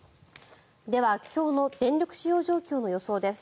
では、今日の電力使用状況の予想です。